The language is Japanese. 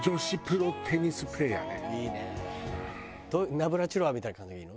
ナブラチロワみたいな感じがいいの？